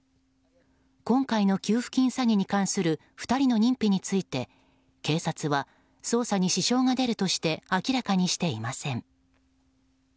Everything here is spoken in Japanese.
今回の給付金詐欺に関する２人の認否について警察は捜査に支障が出るとして明らかにしていません。